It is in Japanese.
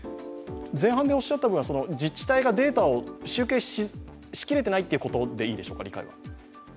前半でおっしゃった部分は自治体がデータを集計しきれていないということでいいでしょうか、理解は。